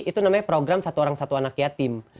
itu namanya program satu orang satu anak yatim